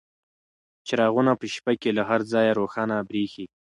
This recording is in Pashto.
چراغونه په شپې کې له هر ځایه روښانه بریښي.